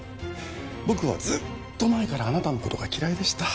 僕はずっと前からあなたのことが嫌いでした